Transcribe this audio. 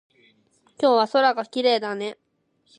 今日は空がきれいだね。